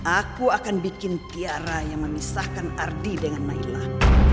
aku akan bikin tiara yang memisahkan ardi dengan naila